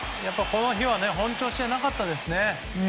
この日は本調子じゃなかったですよね。